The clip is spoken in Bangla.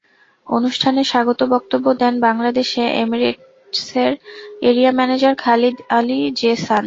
অনুষ্ঠানে স্বাগত বক্তব্য দেন বাংলাদেশে এমিরেটসের area manager Khalid Ali J Hasan.